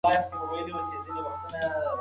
دا کلا زموږ د نېکونو د غیرت او همت نښه ده.